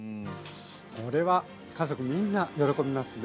これは家族みんな喜びますね。